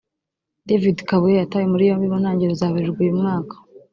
David Kabuye yatawe muri yombi mu ntangiriro za Werurwe uyu mwaka